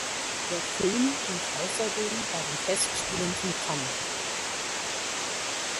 Der Film lief außerdem bei den Festspielen von Cannes.